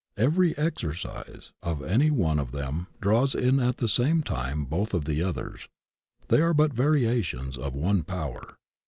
Every exercise of any one of them draws in at the same time both of the o^ers. They are but variations of one power.